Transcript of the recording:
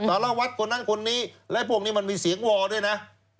สารวัตรคนนั้นคนนี้และพวกนี้มันมีเสียงวอด้วยนะ